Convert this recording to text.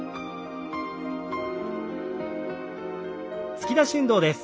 突き出し運動です。